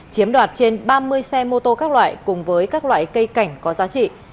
chiếm đoạt trên ba mươi xe mô tô các loại cùng với các loại cây cảnh có giá trị